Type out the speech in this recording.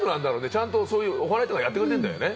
ちゃんとお祓いとかやってるんだよね？